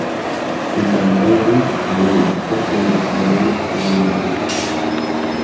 அந்த மடையன் அவள் அப்பா செய்த தவறே செய்கிறான்.